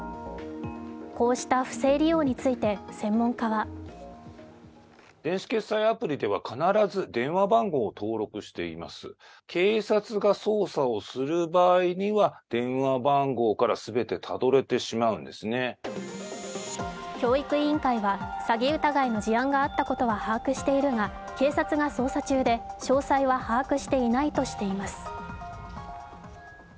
こうした不正利用について専門家は教育委員会は詐欺疑いの事案があったことは把握しているが警察が捜査中で詳細は把握していないとしています。